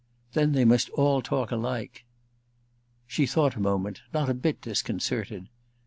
"Then they must all talk alike." She thought a moment, not a bit disconcerted.